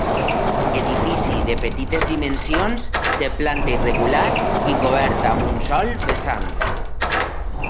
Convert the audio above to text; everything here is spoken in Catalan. Edifici de petites dimensions de planta irregular i coberta amb un sol vessant.